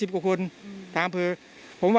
๓๐กว่าคนทางพื้น